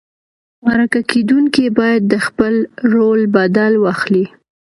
مرکه کېدونکی باید د خپل رول بدل واخلي.